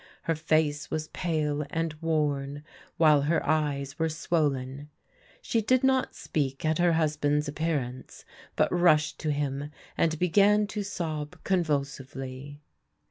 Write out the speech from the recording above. Her face was pale and worn, while her eyes were swollen. She did not speak at her husband's appearance, but rushed to him, and began to sob convulsively.